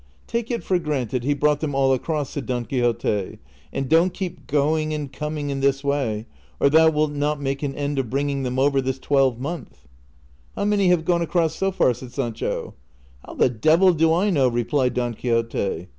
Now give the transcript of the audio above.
" Take it for granted he brought them all across," said Don Quixote, " and don't keep going and coming in this Ava} , or thou wilt not make an end of bringing them over this twelve month." '■'■ How many have gone across so far ?" said Sancho. " How the devil do I know ?" replied Don Quixote.